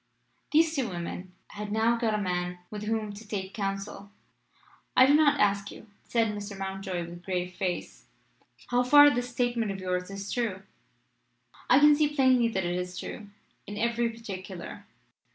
These two women had now got a Man with whom to take counsel. "I do not ask you," said Mr. Mountjoy, with grave face, "how far this statement of yours is true: I can see plainly that it is true in every particular."